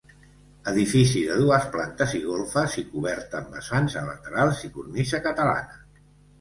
Edifici de dues plantes i golfes i coberta amb vessants a laterals i cornisa catalana.